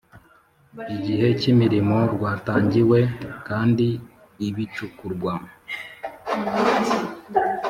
igihe cy imirimo rwatangiwe kandi ibicukurwa